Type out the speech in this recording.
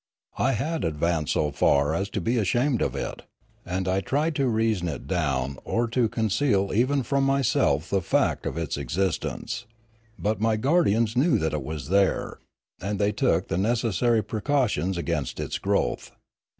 I had advanced so far as to be ashamed of it; and I tried to reason it down or to con ceal even from myself the fact of its existence; but my guardians knew that it was there, and they took the necessary precautions against its growth.